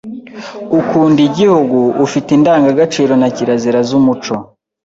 ukunda Igihugu, ufi te indangagaciro na kirazira z’umuco